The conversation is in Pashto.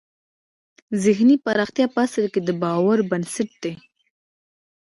ذهني پراختیا په اصل کې د باور بنسټ دی